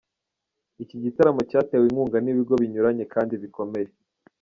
Iki gitaramo cyatewe inkunga n'ibigo binyuranye kandi bikomeye.